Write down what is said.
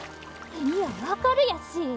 いや分かるやっし。